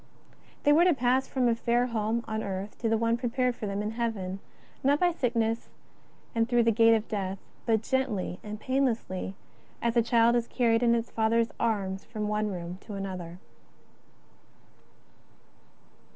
They were to pass from a fair home on earth to the one prepared for them in Heaven, not by sickness and through the gate of death, but gently and painlessly as a child is carried in its father's arms from one room to another.